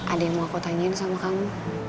ada yang mau aku tanyain sama kamu